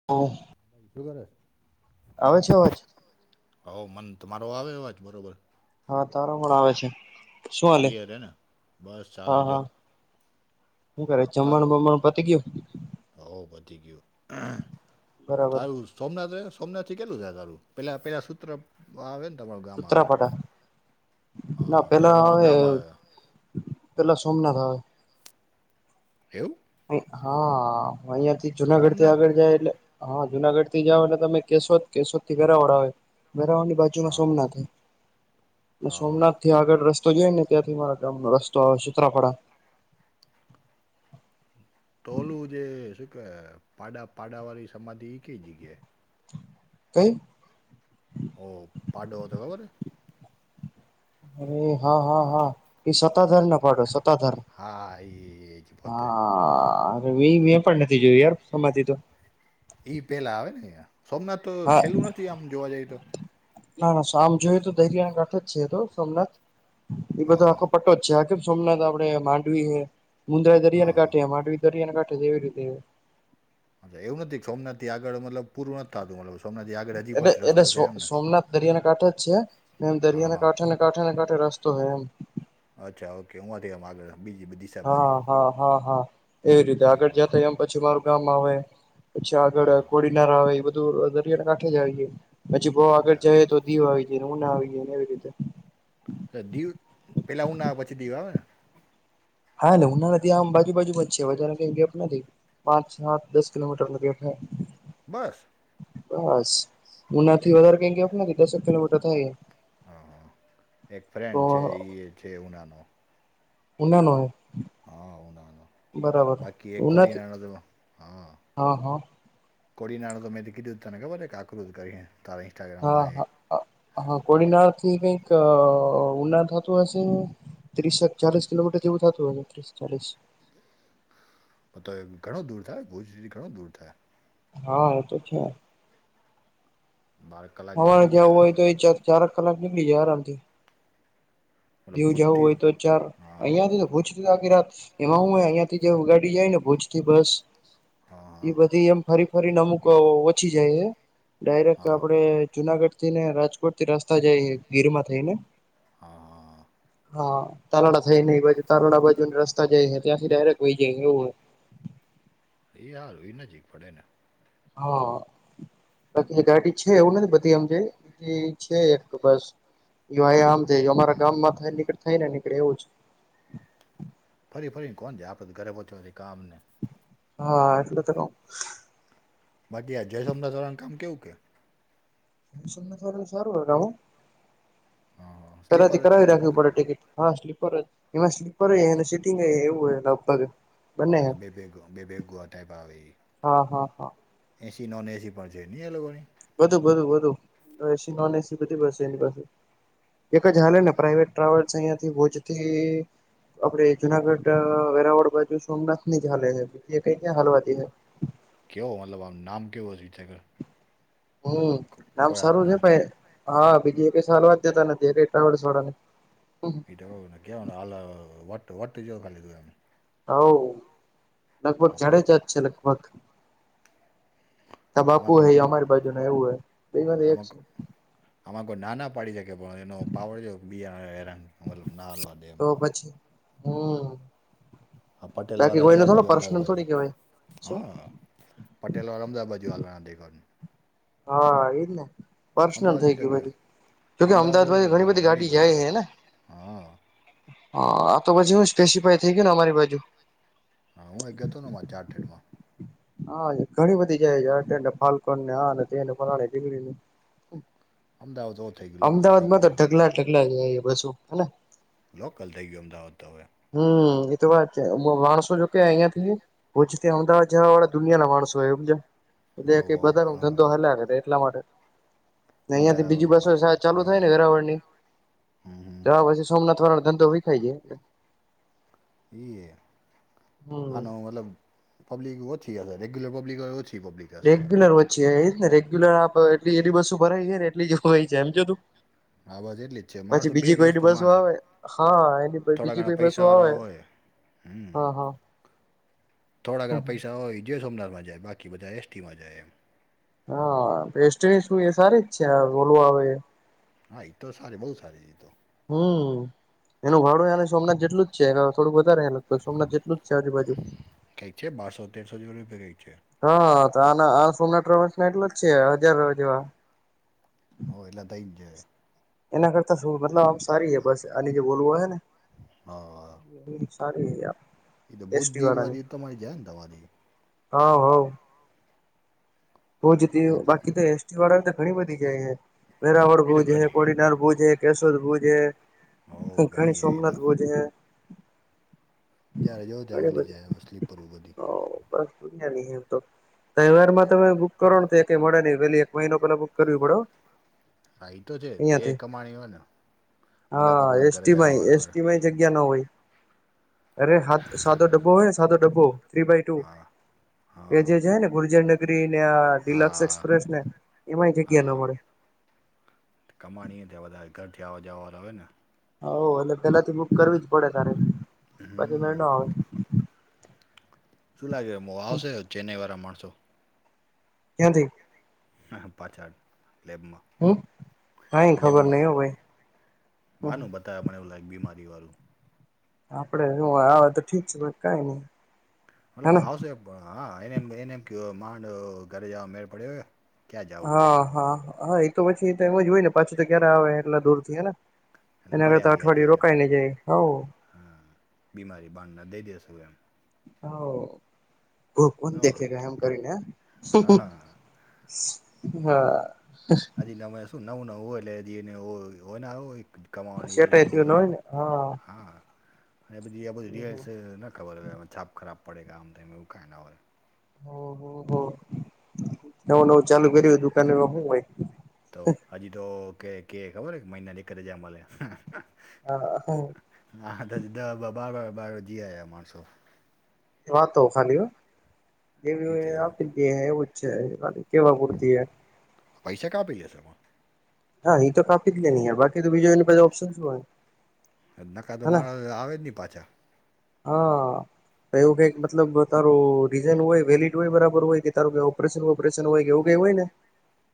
[unintelligible] [unintelligible] આવે છે અવાજ? હ મન તમારો આવે અવાજ બરાબર. હા તારો પણ આવે છે. શું હાલે [unintelligible] બસ ચાલે જો. શું કરે જમણ બમણ પતી ગ્યુ? હ પતી ગયું બરાબર તારું? સોમનાથ સોમનાથથી કેટલું છે તારું પેલાં પહેલાં સૂત્ર આવે ને તમારું ગામ આવે ઉત્તરાપાટા હા પેલા તમારું ગામ આવે. પેલા સોમનાથ આવે. એવુ? અ હા અહિયાં થી જુનાગઢ થી સોમનાથ આગળ જાય એટલે હા જુનાગઢ થી જાવને તમે કેશોદ, કેશોદ થી વેરાવળ આવે વેરાવળ બાજુમા હા હા સોમનાથ થાય હા હા સોમનાથ ત્યા આગળ રસ્તો જઈ ને ત્યાંથી મારા ગામનો રસ્તો આવે સુત્રરાપડા તો ઓલું જે સુકે પાડા પાડાવાળી સમાધિ ઈ કઈ જગ્યાએ? કઈ? ઓ પાડો હતો ખબર? અરે હા હા હા એ સતાધારનો પાડો સતાધાર હા એ જ હા. પોતે હા મેં પણ નથી જોયું યાર સમાધી તો ઈ પેલા આવે ને સોમનાથ તો હા છેલ્લું નથી આમ જોવા જઈ તો? ના ના સામ જોઈય તો દરિયાના કાંઠો જ છે તો સોમનાથ એ બધો હા આખો પટ્ટો જ છે આ કેમ સોમનાથ આપડે માંડવી મુન્દ્રા હા દરિયા હા કાંઠે માંડવી દરિયાને કાંઠે એવી રીતે. અચ એવું નથી કમ નથી આગળ મતલબ પૂરું નથ થાતુ એટલે એટલે સોમનાથ દરિયાના કાંઠે જ છે એમ હા દરિયાના હા કાંઠાને કાંઠા ને કાંઠે રસ્તો હે ઓમ અચ્છા ઓકે ઓઆથી આગળ બીજી બધી દિશા બાજુ હા હા હા હા એવી રીતે આગળ હા જતા એમ પછી મારું ગામ આવે. પછી આગળ હા હા. કોડીનાર આવે એ બધું દરિયાના કાંઠે જ આવીએ પછી બવ અચ્છા, આગળ જઈ તો દીવ આવી જાય ઉના આવી જાય ને એવી રીતે હ દીવ પહેલાં ઉના આવે પછી દીવ આવે ને? હા ઉના ને દીવ આમ બાજુ બાજુ માં જ છે વધાર કઈ ગેપ નથી. પાંચ સાત દસ કલોમીટર નો ગેપ હે. બસ બસ ઉનાઈથી એક વધારે કઈના દસક કિલોમીટર થાય. હા, એક તો ફ્રેન્ડ છે એ છે ઉનાનો. ઉનાનો. હા ઉ ના બાકી એકકોડી ઉનાથી ના હા હા હા [unintelligible] કોડી નાણું તો મેંથી કીધું, તને ખબર એક આકૃતિ કરી હ તારે. હા હા હા, કોડીનાર થી કઈક ઉના થતું હશે. ત્રીસ-ચાલીસ કિલોમીટર જેવું થતું હોય ને, ત્રીસ-ચાલીસ ઘણો દૂર થાય, ભુજ ઘણું દૂર થાય. હા, એ તો છે. ભારત. અમારે જવું હોય તો, એ ચારક કલાક નીકળી જાય આરામ થી. મતલબ દીવ જવું ભૂતથી હોય તો, ચાર હા અહિયાયાથી તો ભૂલ. રા એમાં હું અહિયાંથી જે ગાડી જાય ને, ભુજ થી બસ એ હા બધી એમ. ફરી ફરી અમુક ઓચી જાય છે, ડાયરેક્ટ હા આપડે જુનાગઢ થી ને, રાજકોટ થી રસ્તા જાય, ગીરમાં થઈને. હા હા હ. હા તાલાળડા થાય ને, એ બાજુ તાલાળ બાજુ ને રસ્તા જાય, ત્યાંથી ડાયરેક્ટ વહી જાય, એવું હોય. એ હાર એઈ નજીક પડે ને. હા, બાકી ગાડી છે. એવું નથી, બધી આપણે છે, એક બસ આમ થી અમારા ગામ માંથી નીકળે થઈ ને નીકળે, એવું જ. ફરી ફરીને કોણ છે? આપડે ઘરે પહોંચવાની કામ ને. હા, એટલે તો. બાકી આ જય સોમનાથ દ્વારાનું કામ કેવું કે? એથી સારું, હું હા હા સ્લીપર કયાથી જ છે કરાવી ને એની? રાખવી પડે ટિકિટ. હા, સ્લીપર. એમાં સ્લીપર હને સિટિંગ એવું હોય લગભગ. બંને હચ્ા બેબેગ બેબેગુઆ ટાઈપ આવેવે એ હા હા હા [unintelligible] એસી, નોન એસી પણ છે નહીં એ લોકોની. વધું બધું, વધુ એસી, નોન એસી બધી બસ એની પાસે. એક જ હાલે ને, પ્રાઈવેટ ટ્રાવેલ્સ અહિયાંથી ભોજથી. આપડે જુનાગઢ, વેરાવળ બાજુ સોમનાથ ની જ હાલે છે. કંઈ ક્યાં હાલવાતી છે? કેવો મતલબ, આમ નામ કેવો થાય. હમ, નામ સારું છે હાથના ભાઈ. હા, બીજી એક સાલ વાત જતા નથી. એક એટલા છોડા ને. ટ ખલી [unintelligible] હવે લગભગ હા પણ જાડેજાત છે, લગભગ. તો બાપુ, આમાં હ, કોઈ અમારી બાજુ એવું હોય. બે વાર એક આમાં છે. કોઈ- આમાં કોઈ ના પાડી શકે, પણ એ પાવર નો તો પછી, હમ હા, પટેલ બાકી વાળા જ કોઈને થોડો પર્સનલ બાજુ, થોડી કેવાય શું હા. પટેલ અમદાબાજુ હાલવાણા દેનું. હા, એજ ને પર્સનલ થઇ અમદાવાદની ગયું. જગ્યા જોકે અમદાવાદ તો કે અમદાવાદમાં ઘણી બધી ગાડી બસ જાય છે ને. હા હા, આ તો પછી હું સ્પેસિફાઈ થઈ ગયું ને અમારી બાજુ. હા, હું એ ગતો હતો ને, ચારઠેડમાં. હા, ઘણી બધી જાય હે ફાલ્કનને, આને તેને ફ્લાની-ઢીકની ને. અમદાવાદ હોત. અમદાવાદ માં તો ઢગલા-ઢગલા જાય બહુ, હને. લોકલ થઈ ગયું, અમદાવાદ તો હવે. હમ્મ, એતો વાત છે. માણસો જો કે અહીંયા થી ભૂજ થી અમદાવાદ જવાવાળા. દુનિયા ના માણસો હોય એમ જ હવ કે, હવ બધા ન ઘણું ધંધો ઘણું હલા એટલા માટે. અહિયાયા એમાં થી બીજી બસો હવ ચાલુ થાય ને વેરાવરની હમ હમ, તોવા પછી સોમનાથ વાળાનો ધંધો વીખાય જાય એટલે ઈએ હમ આનો મતલબ પબલિક ઓથી આશે રેગ્યલર પબ્લિક ઓછી પબ્લિક હશે એમ રેગ્યુલર વચ્ચી એ ને રેગ્યુલર આપ એટ એલી બસ્ ભરાય ને એટલી હોય છે એમ જોતું હા બસ એટલી જ છે પછી માણસો બે બીજી જ કોઈની વસ્તુ બસો માંડ આવે હા એની થોડા બીજી ઘણા કોઈ બસો આવે પૈસાવાળા હોય હમ હા હા થોડા ઘણા પૈસા હોય જો સોમનાથમાં જાય બાકી બધા એસટીમાં જાય એમ હા બેેસ્ટ એ શુ સારી જ છે વોલ્વો આવે હા ઈ તો સારી બહુ સારી ઈ તો હમ્મ એનું ભાડુ એને સોમનાથ જેટલું છે થોડું વધારે તો સોમનાથ જેટલું જ છે આજુ બાજુ પાસો તેરસોજ [unintelligible] ગઈ છે. હા આ આ સોમનાથ ટ્રાવલ્સ ના એટલો જ છે હજાર જેવા હો એટલા થઈજાય એના કરતા શું મતલબ આમ સારી હે બસ આની જે વોલ્વો હોય ને હા ડીલ સારી હે [unintelligible] એ તો બુદ્ધિ વારી તમારી જાય ને તમારી હવ હવ બ જતી ભુજ બાકી તો એસટી વાળા તો ઘણી બધી જાય હે વેરાવળ એ તો ભુજ હે ઘણી કોડીનાર ભુજ હે કેશોદ ભુજ હો હે ઘણી એ તો સોમનાથ ભોજ હે જ્યારે જોવ ત્યાં મળી જાય હવે સ્લીપર બધી બ પુ નમ તો તહેવારમાં તમે કરોણ થી કઈ મળે ન પેલી એક મહિનો પેલા બુક કરવી પડૅ હો હા એ તો છે તે અયાથી કમાણી હોય ને બધા હા પોતાના ઘરે એસ્ટી માં જવાવાળા હોય એસ્ટી માય જગ્યા નો હોય અરે સાદો ડબ્બો હોય ને સાદો ડબ્બો થ્રી બાય ટુ હા એ હા જે છે ને ગુર્જર નગરી ડિલક્ષ હા એક્પ્રેસ ને એમાંય જગ્યા નો હા મળે કમાણી થ વધારે ઘરથી આવાજવા હોયને હવ એટલે પેલાથી બુક કરવી જ પડે તારે પછી મેળ હમ ન હોય શું લાગે હું આવશે ચેન્નાઈ વાળા માણસો [unintelligible] હ પાછાળ લેબમાં [unintelligible] કાઈ ખબર નય લેબમાં હો ભાઈ [unintelligible] તો એમને [unintelligible] બીમારીવાળું આપડે હું આવે તો ઠીક છે [unintelligible] કઈ નઈ મતલબ હેને આવશે પણ હા એનેમ એને એમ [unintelligible] માંડ ઘરે જવા મેળ પડ્યો ક્યાં જવું એમ હા હા હા એ તો પછી એમ જ હોય ને પાછી તો ક્યારે આવે એટલા દૂર થી હેને એટલે એના અગર તો પડ્યા ર અઠવાડય હજી એમ રોકાાય નને જાય હવ હા બીમારી બાડના દઈ દેસું એમ હ કોણ હા દેખે એમ કરીને હા [unintelligible] આજ શું નવું નવું હોય એટલે એ હોયને આવ કમાની એટલી સેટાય બજ થયું ન હોય ને હા અને પછી આ બધી રયલ્સ ન ખબર હ એમાં છાપ ખરાબ પડે કે આમ થાય એવું કાઈ ના હોય હમ હમ હ નવું નવું ચાલુ કર્યું હો દુકાન એમાં હું હોય તો હજી તો કે કે ખબર કે મહિના દતે જ મલે હ હા [inaudible] [unintelligible] હા દા દા બા બાર બારજી માણસો વાતો ખલી હો [unintelligible] એ તો એવું જ છે એ ખલી કેવા પૂરતી આ પૈસા ક્યા [unintelligible] એમાં. હા એ તો કોપી કેઈ ની યાર બાકી તો બીજું ને બધું નકા તો માણસ આવે જ નહી પાછા. હા તો એવું કઈક મતલબ તારું રીઝન હોય વેલીડ હોય બરાબર હોય કે તારું ઓપરેશન વપરેશનય હોય કેવું કઈ હોય ને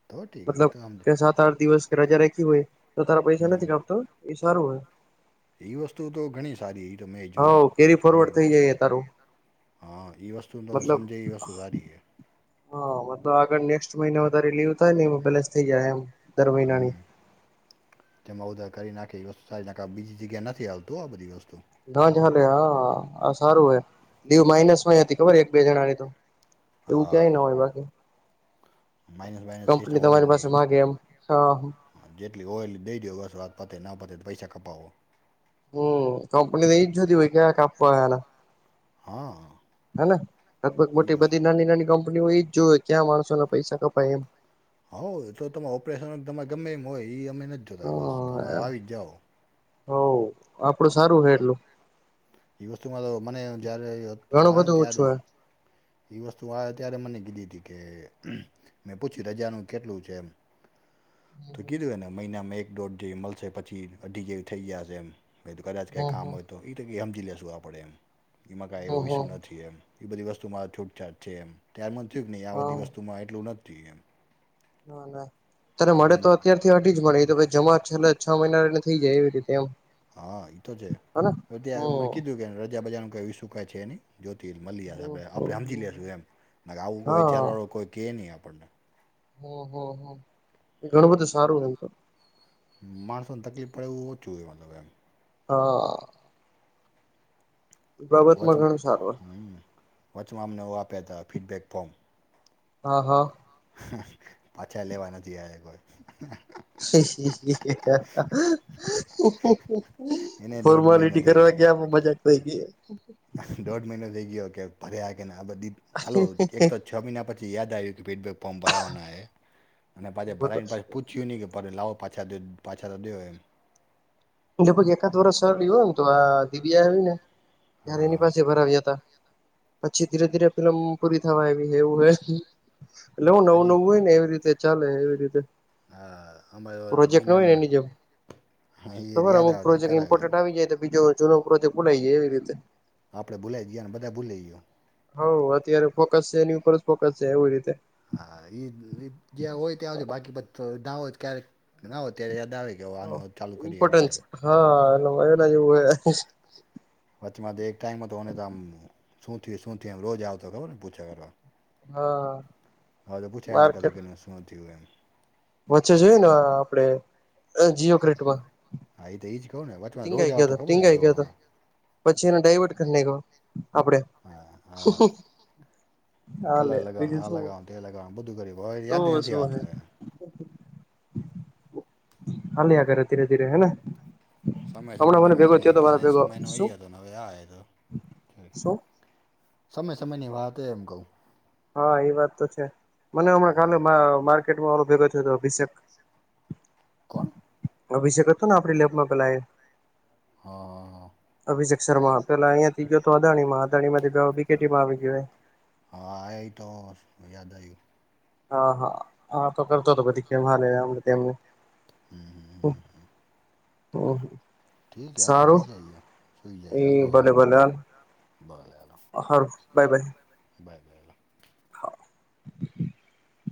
તો ઠીક એ મતલબ તો આમ કે સાત આઠ દિવસ કે રજા રાખી હોય તો તારા પૈસા હમ નથી કાપતો એ સારું હોય. એ વસ્તુ તો ઘણી સારી એ તો મેં જોઈ હ કેરી કે ફોરવર્ડ મતલબ થઈ જાય તારું હા એ વસ્તુ તો મતલબ સમજે એ વસ્તુ સારી છે. હા મતલબ આગળ નેક્સ્ટ મહિના વધારે લીવ થાય ને પેલેસ થઇ જાય એમ. દર મહિનાની હમ્મ. તેમાં ઉધાર કરી નાખે એ વત સારી નાખે બીજી જગ્યા નથી આવતું આ બધી વસ્તુ. ના જ હાલે હા આ સારું હોય લીવ માઇનસ માંય હતી ખબર એક બે જણાની તો. એવું ક્યાંય હા ન હોય બાકી. માઇનસ માઇનસ કંપની સિસ્ટમ હોય જ તમારી પાસે નહીં. માગે એમ હા હમ જેટલી હોય એલી દઈ દો બસો વાત પતે ના પતે પૈસા કપાવો. હમ્મ લેકંપનીને એ જ જોતી હોય કે કાપવા આવના હા. હને લગભગ એ મોટી વસ્તુ બધી નાની નાની કંપનીઓ એજ જોવે ક્યાં માણસોને પૈસા કપાય એમ. હ તો તમે ઓપરેશન તમે ગમે એમ હોય ઈ અમે નથી જોતા બસ તમે હ આવી જ જાઓ. હો આપડું સારું હે એટલું. એ વસ્તુમાં તો મને જ્યારે ઘણું આવ્યો ને બધું ત્યારે ઓછું એ વસ્તુ અ અત્યારે મને કીધી હતી કે મેં પૂછ્યું રજાનું કેટલું છે એમ. હે તો કીધું એને મહિનામાં એક દોઢ જેવી મળશે પછી અઢી જેવી થઇ ગયા હશે એમ. ભાઈ તો કદાચ કંઈ હમ કામ હમ હોય તો એ તો એવી હામજી લઈશું પડે એમ એમાં કંઈ એવો હમ ઈસુ હમ નથી એમ. એ બધી વસ્તુમાં આ છૂટછાટ છે એમ ત્યારમાં જ થયું કે નહીં આ બધી હા વસ્તુમાં એટલું નથી એમ. ના ના ત્યારે મળે એટલે મ તો અત્યાર થી ત્યાંથી જ મળે એ તો જમા છેલ્લા છ મહિનાને થઈ જાય એવી રીતે એમ. હા એ તો છે હને હવે ત્યાં મે હમ કીધું કે રજા બજારનું કંઈ ઈસુ કઈ છે નહીં. જ્યોતિલ મલિયાસ આપણે આપણે હામજી લેશું એમ બા આ આવું કોઈ હા વિેચારવાળો કોઈ કે નહીં આપણને. હો હો હો એ ઘણું બધું સારું હોય તો. માણસોને તકલીફ પડે એવું ઓછું હોય મતલબ એમ. હા. એ બાબતમાં વચમા ઘણું સારું હમ્મ. વચમાં અમને એવું આ [unintelligible] હતા ફીડબેક ફોર્મ હા હા. હા પાછા લેવા નથી આ એકવાર [unintelligible] હી હી હી હી એને [unintelligible] દોઢ મહિનો ફોર્માલિટી થઈ કરવા ગયો ગયા મા મજા જ પૈગી. દોઢ મહિનો થઈ ગયો કે ભર્યા કેને આ બધી [unintelligible] એક તો છ મહિના પછી યાદ આવ્યું કે ફીડબેક ફમ્મ ભરાવવાના હે અને પાછે બરોબર. ભલાઇને પાછે પૂછ્યું ની કે પર લાઓ પાછા દે પાછા તો દર્દીઓ હોય એમ. [unintelligible] એકાદ વર્ષ લીવ હોય ને તો આ દિવ્યા આવી ને. ત્યારે એની હા પાસે ભરાવ્યા હતા. પછી ધીરે ધીરે ફિલમ પૂરી થવા આઈવી એવું હોય એટલે હો હા નવું હજી નવું હોય ને એવી રીતે. ચાલે એવી રીતે. હા [unintelligible] પ્રોજેક્ટ ન હોય ને મહિનાના એની જેમ એ ખબર યાદ આવે તો કરાવીએ અમુકોજેક્ટઇમ્પર્ન્ટ આવી જાય તો બીજો જૂનો પ્રોજેક્ટ ભુલાઈય એ રીતે. આપડે ભુલાઈ ગયા ને બધા ભૂલી ગયો. હ અત્યારે ફોકસ છે એની ઉપર જ ફોકસ છે એવી રીતે. હા એ જ્યાં હોય ત્યાં આવજ બાકી ક્યારેક ના હો ત્યારે દાવ. કેવાનું ચાલુ કરીએ આપણે ઇમ્પોર્ટન્સ એ. હા એલે મલા જેવું હ. વાચીમાં તો એક ટાઈમમાં તો હોને ત આમ. સુુંથી સુથી રોજ આ આવ તો ખબરને પૂછા કરવા. હા. હા તો પૂછે આજ કા તો માર્કેટ ગલ શું થયું એમ. વચ્ચે જોઈએ ને આપડે જીઓ ક્રિકેટ મા. હા એ તોઈ જ કઉું ને વચમાં રોજ આવો તો હતો ખબર ને ટીંગાઈ ગયો હતો જોવા. પછી એને ડઇવર્ટ કરી નાખ્યો આપડે હા હા. હાલે કલર લગાવવાનું બીજું આ શું લગાવવાનું એ લગાવવાનું બધું ગબ તો યાદ નથી શું હે આવતુંને. હલી આારે ધીરે ધીરે હેના. સમય સમયની વાત ત્યારે ભેગો સમય ન શું એય હતો હવે આ તો. શું સમય સમય ની વાત એમ કહું. હા એ વાત તો છે મને હમણાં ખાલી માર્કેટમાં ઓો ભેગો થયો હતો અભિષેક. [unintelligible] અભિષેક હતો ને આપણી લેબમાં પેલા એ. હા. અભિષક શર્મા પેલા અહંયાથી ગયો હતો અદાણી અદાણી માંથી બીટીમાં આવી ગયો. હા આહી તો યાદ આવજ્યું. હા હા હા તો કરતો હતો બધી કેમ હાલેમને. હમ હમ હમ હમ. હમ ઠીક હે, હાલો સારું હોઈ જઈએ સુઈ એ જઈએ હાલો હવે ભલે ભલે. ભલે હાલો. હાર બાય બાય. બાય બાય અ. હા.